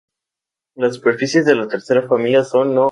Las superficies de la tercera familia son no-orientables.